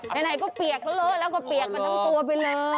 ในนัยเราก็เปียกมันทั้งตัวไปเลย